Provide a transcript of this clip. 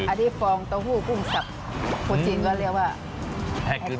อันนี้ฟองโต้หู้กุ้งสับคนจีนก็เรียกว่าแพร่ขึ้น